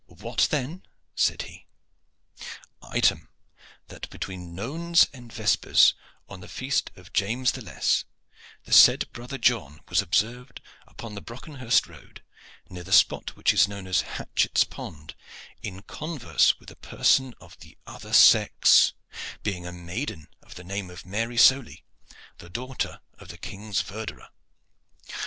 "What then?" said he. "Item, that between nones and vespers on the feast of James the Less the said brother John was observed upon the Brockenhurst road, near the spot which is known as Hatchett's Pond in converse with a person of the other sex, being a maiden of the name of Mary Sowley, the daughter of the King's verderer.